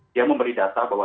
dia memberi data bahwa